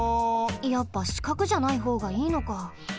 やっぱしかくじゃないほうがいいのか。